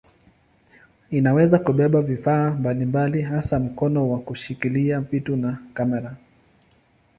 Inaweza kubeba vifaa mbalimbali hasa mkono wa kushikilia vitu na kamera.